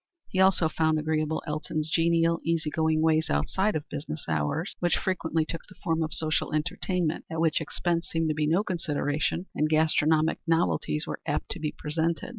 He also found agreeable Elton's genial, easy going ways outside of business hours, which frequently took the form of social entertainment at which expense seemed to be no consideration and gastronomic novelties were apt to be presented.